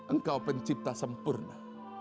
engkau pencipta sempurna